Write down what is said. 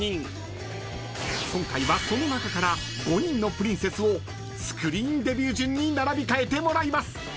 ［今回はその中から５人のプリンセスをスクリーンデビュー順に並び替えてもらいます］